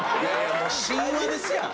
もう神話ですやん！